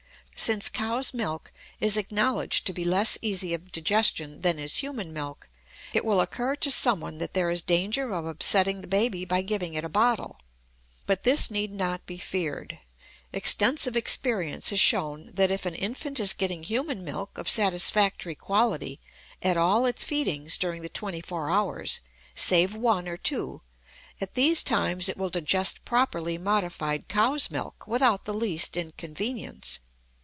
Since cow's milk is acknowledged to be less easy of digestion than is human milk, it will occur to someone that there is danger of upsetting the baby by giving it a bottle. But this need not be feared; extensive experience has shown that if an infant is getting human milk of satisfactory quality at all its feedings during the twenty four hours, save one or two, at these times it will digest properly modified cow's milk without the least inconvenience.